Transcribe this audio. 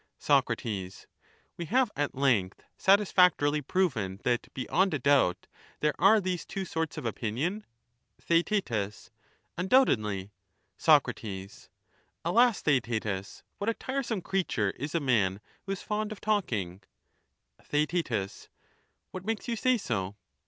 Soc, We have at length satisfactorily proven that beyond a doubt there are these two sorts of opinion ? Theaet Undoubtedly... Soc, Alas, Theaetetus, what a tiresome creature is a man who is fond of talking I Theaet What makes you say so